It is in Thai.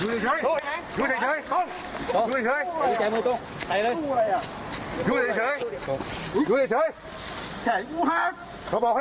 อยู่เหนื่อยอยู่เหนื่อยอยู่เหนื่อย